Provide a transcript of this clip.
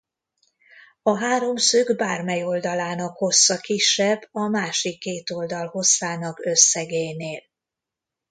A háromszög bármely oldalának hossza kisebb a másik két oldal hosszának összegénél.